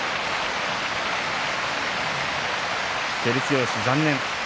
照強、残念。